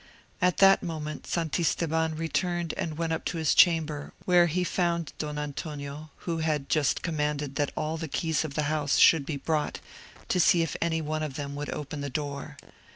At that moment Santisteban returned and went up to his chamber, where he found Don Antonio, who had just commanded that all the keys of the house should be brought, to see if any one of them would open the door.